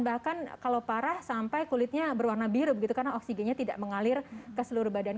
bahkan kalau parah sampai kulitnya berwarna biru begitu karena oksigennya tidak mengalir ke seluruh badan